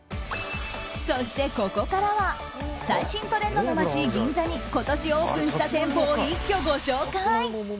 そしてここからは最新トレンドの街・銀座に今年オープンした店舗を一挙ご紹介。